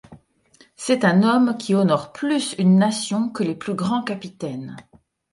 C’est un homme qui honore plus une nation que les plus grands capitaines !